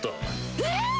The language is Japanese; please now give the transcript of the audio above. えっ！